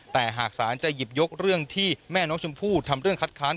แต่หากศาลจะหยิบยกเรื่องที่แม่น้องชมพู่ทำเรื่องคัดค้าน